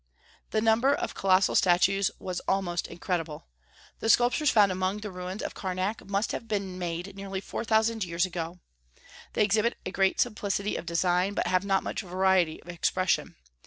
The number of colossal statues was almost incredible. The sculptures found among the ruins of Karnak must have been made nearly four thousand years ago. They exhibit great simplicity of design, but have not much variety of expression.